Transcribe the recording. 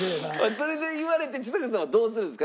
それで言われてちさ子さんはどうするんですか？